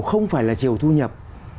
không phải là chiều thu nhập